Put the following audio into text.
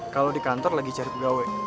kalau di kantor lagi cari pegawai